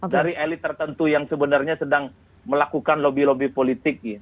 dari elit tertentu yang sebenarnya sedang melakukan lobby lobby politik